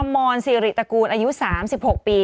อมรศรีริตกูลอายุ๓๖ปี